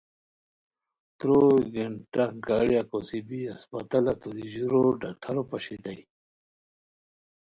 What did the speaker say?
تروئے گھنٹہ گاڑیہ کوسی بی ہسپتالہ توری ژورو ڈاکٹرو پاشئیتائے